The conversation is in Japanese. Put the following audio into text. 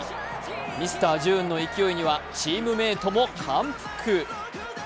ミスター・ジューンの勢いにはチームメートも感服。